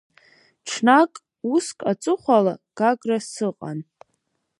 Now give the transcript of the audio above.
Ҽнак уск аҵыхәала Гагра сыҟан.